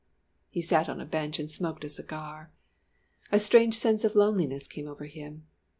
He sat on a bench and smoked a cigar. A strange sense of loneliness came over him.